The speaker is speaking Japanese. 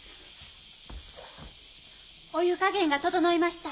お湯加減が整いました。